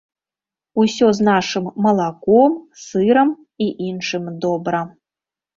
Усё з нашым малаком, сырам і іншым добра.